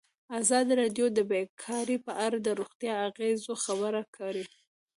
ازادي راډیو د بیکاري په اړه د روغتیایي اغېزو خبره کړې.